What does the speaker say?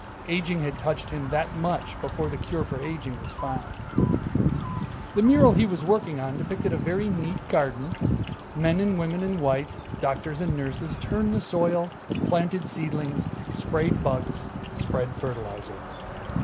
Aging had touched him that much before the cure for aging was found. The mural he was working on depicted a very neat garden. Men and women in white, doctors and nurses, turned the soil, planted seedlings, sprayed bugs, spread fertilizer.